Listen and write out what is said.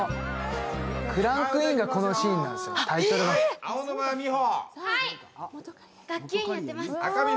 クランクインがこのシーンなんです、タイトルの。